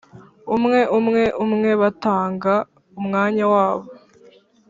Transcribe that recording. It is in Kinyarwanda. umwe umwe umwe batanga umwanya wabo,